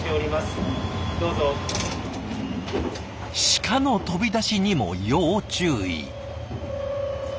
シカの飛び出しにも要注意。